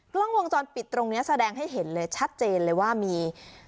กล้องวงจรปิดตรงนี้แสดงให้เห็นเลยชัดเจนเลยว่ามี